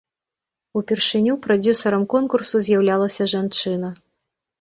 Упершыню прадзюсарам конкурсу з'яўлялася жанчына.